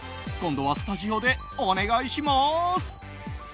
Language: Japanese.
今度はスタジオでお願いします。